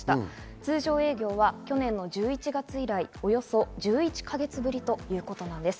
通常営業は去年の１１月以来、およそ１１か月ぶりということです。